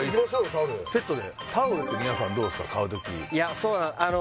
タオルセットでタオルって皆さんどうですか？